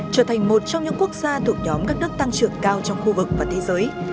trở thành một trong những quốc gia thuộc nhóm các đất tăng trưởng cao trong khu vực và thế giới